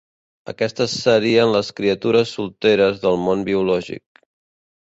Aquestes serien les criatures solteres del món biològic.